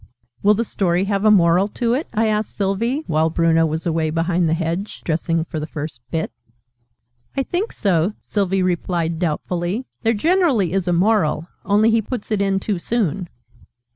"Will the Story have a Moral to it?" I asked Sylvie, while Bruno was away behind the hedge, dressing for the first 'Bit.' "I think so," Sylvie replied doubtfully. "There generally is a Moral, only he puts it in too soon."